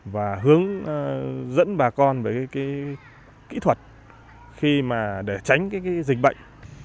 và hướng dẫn bà con về kỹ thuật để tránh dịch bệnh